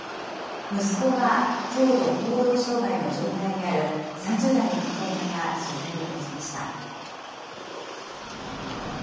息子が強度行動障害の状態にある３０代の母親が取材に応じました。